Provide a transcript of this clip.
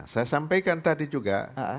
saya sampaikan tadi juga